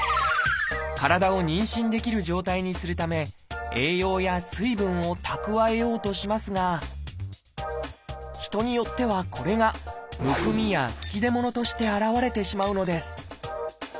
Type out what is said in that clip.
体を妊娠できる状態にするため栄養や水分を蓄えようとしますが人によってはこれがむくみや吹き出物として現れてしまうのです。